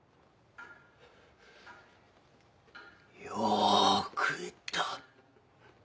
よく言った。